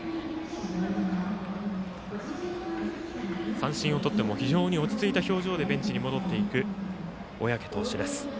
三振をとっても非常に落ち着いた表情でベンチに戻っていく小宅投手です。